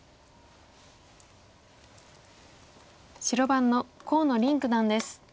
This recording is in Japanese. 白番の河野臨九段です。